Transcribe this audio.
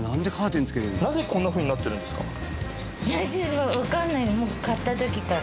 なぜこんなふうになってるんですか？